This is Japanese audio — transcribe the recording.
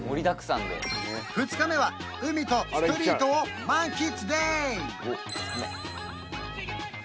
２日目は海とストリートを満喫ＤＡＹ！